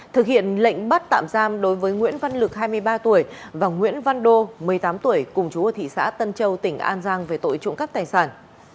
thực hiện lệnh bắt tạm giam đối với nguyễn văn lực hai mươi ba tuổi và nguyễn văn đô một mươi tám tuổi cùng chú ở thị xã tân châu tỉnh an giang về tội trộm cắp tài sản